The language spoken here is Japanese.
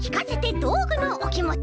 どうぐのおきもち」。